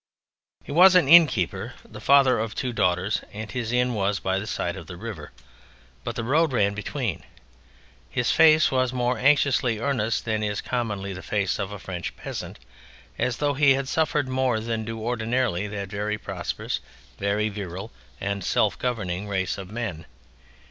He was an innkeeper, the father of two daughters, and his inn was by the side of the river, but the road ran between. His face was more anxiously earnest than is commonly the face of a French peasant, as though he had suffered more than do ordinarily that very prosperous, very virile, and very self governing race of men.